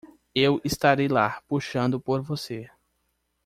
Eu estarei lá puxando por você.